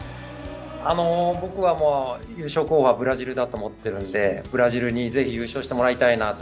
僕は優勝候補はブラジルだと思っているんで、ブラジルにぜひ優勝してもらいたいなと。